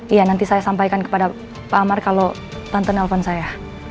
iya nanti saya sampaikan kepada pak amar kalau tonton nelfon saya